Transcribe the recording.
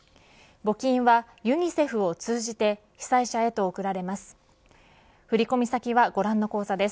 募金はユニセフを通じて被災者へと送られます。